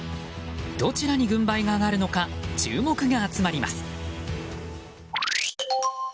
どちらに軍配が上がるのか注目が集まります。